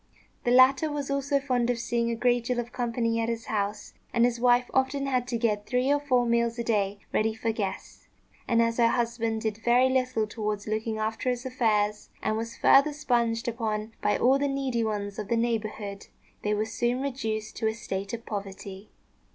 The latter was also fond of seeing a great deal of company at his house, and his wife often had to get three or four meals a day ready for guests; and, as her husband did very little towards looking after his affairs, and was further sponged upon by all the needy ones of the neighbourhood, they were soon reduced to a state of poverty.